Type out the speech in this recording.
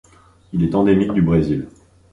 Il est endémique du Brésil.